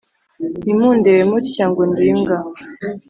Ntimundebe mutya ngo ndi imbwa